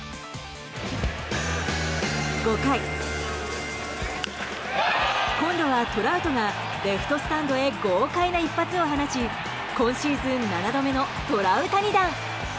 ５回、今度はトラウトがレフトスタンドへ豪快な一発を放ち今シーズン７度目のトラウタニ弾。